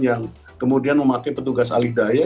yang kemudian memakai petugas alih daya